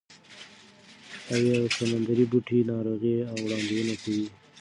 اوې او سمندري بوټي د ناروغۍ وړاندوینه کوي.